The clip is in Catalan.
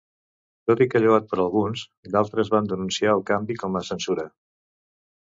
Tot i que lloat per alguns, d'altres van denunciar el canvi com a censura.